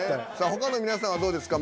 他の皆さんはどうですか？